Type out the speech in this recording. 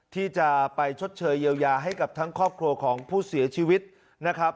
ที่จะไปชดเชยเยียวยาให้กับทั้งครอบครัวของผู้เสียชีวิตนะครับ